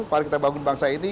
mari kita bangun bangsa ini